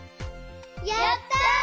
やった！